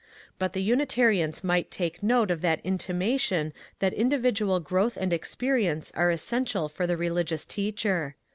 .But the Unitarians might take note of that intimation that individual growth and experience are essential for the religious teacher.